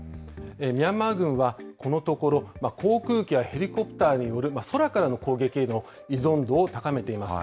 ミャンマー軍はこのところ、航空機やヘリコプターによる空からの攻撃への依存度を高めています。